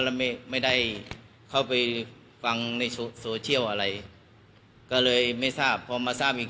แล้วไม่ได้เข้าไปฟังในโซเชียลอะไรก็เลยไม่ทราบพอมาทราบอีก